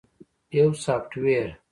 - یو سافټویر 📦